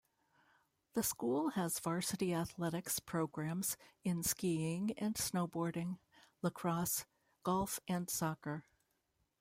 The school has varsity athletics programs in skiing and snowboarding, lacrosse, golf and soccer.